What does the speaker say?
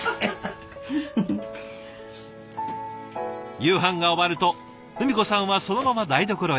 夕飯が終わると文子さんはそのまま台所へ。